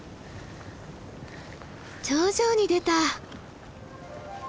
頂上に出た！